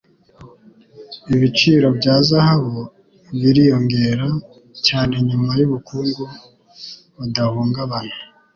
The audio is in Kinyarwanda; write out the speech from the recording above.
Ibiciro bya zahabu biriyongera cyane nyuma yubukungu budahungabana